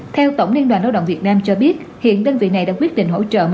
theo tổng liên đoàn lao động việt nam cho biết hiện đơn vị này đã quyết định hỗ trợ